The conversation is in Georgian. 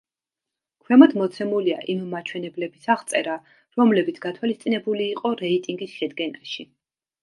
ქვემოთ მოცემულია იმ მაჩვენებლების აღწერა, რომლებიც გათვალისწინებული იყო რეიტინგის შედგენაში.